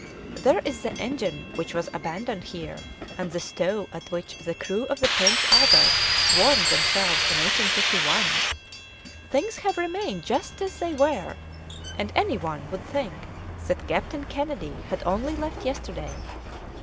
There is the engine which was abandoned here, and the stove at which the crew of the Prince Albert warmed themselves in 1851. Things have remained just as they were, and any one would think that Captain Kennedy had only left yesterday.